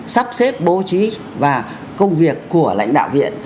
sắp xếp bố trí và công việc của lãnh đạo viện